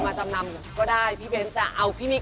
มาเอาสามีนี้ไปจัดกินพี่เอ